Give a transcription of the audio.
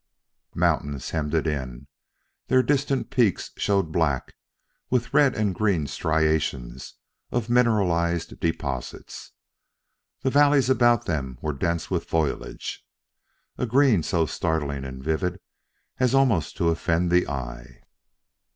Mountains hemmed it in; their distant peaks showed black, with red and green striations of mineralized deposits. The valleys about them were dense with foliage, a green so startling and vivid as almost to offend the eye.